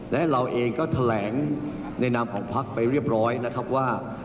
และเราเองก็แถลงในนามของพักไปเรียบร้อยนะครับว่า